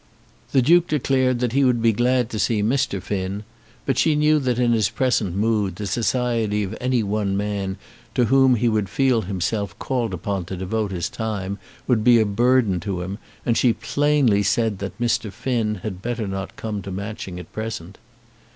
The Duke declared that he would be glad to see Mr. Finn, but she knew that in his present mood the society of any one man to whom he would feel himself called upon to devote his time, would be a burden to him, and she plainly said that Mr. Finn had better not come to Matching at present.